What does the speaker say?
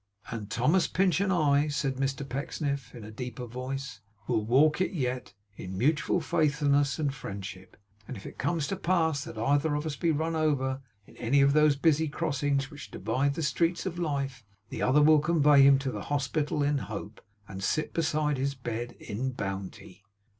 'And Thomas Pinch and I,' said Mr Pecksniff, in a deeper voice, 'will walk it yet, in mutual faithfulness and friendship! And if it comes to pass that either of us be run over in any of those busy crossings which divide the streets of life, the other will convey him to the hospital in Hope, and sit beside his bed in Bounty!